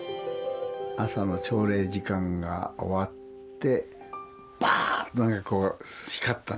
朝の朝礼時間が終わってバーンとねこう光ったんですね。